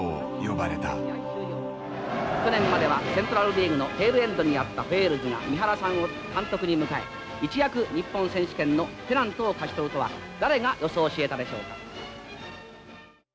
去年まではセントラル・リーグのテールエンドにあったホエールズが三原さんを監督に迎え一躍日本選手権のペナントを勝ち取るとは誰が予想しえたでしょうか。